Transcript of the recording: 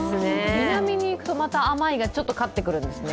南に行くと、また甘いがちょっと勝ってくるんですね。